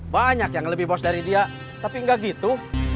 banyak yang lebih bos dari dia tapi nggak gitu